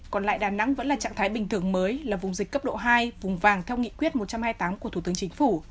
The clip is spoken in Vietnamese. còn lại đà nẵng vẫn là trạng thái bình thường mới là vùng dịch cấp độ hai vùng vàng theo nghị quyết một trăm hai mươi tám của thủ tướng chính phủ